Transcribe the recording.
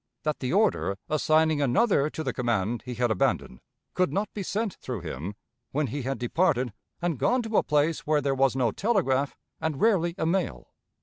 That the order, assigning another to the command he had abandoned, could not be sent through him, when he had departed and gone to a place where there was no telegraph, and rarely a mail.